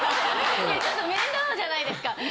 ちょっと面倒じゃないですか。